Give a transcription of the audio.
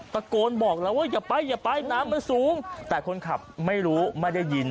ตะโกนบอกแล้วว่าอย่าไปอย่าไปน้ำมันสูงแต่คนขับไม่รู้ไม่ได้ยิน